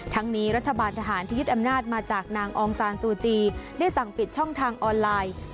ทั้งนี้รัฐบาลทหารที่ยึดอำนาจมาจากนางองซานซูจีได้สั่งปิดช่องทางออนไลน์